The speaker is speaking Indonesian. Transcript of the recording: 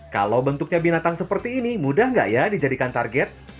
kalau bentuknya binatang seperti ini mudah nggak ya dijadikan target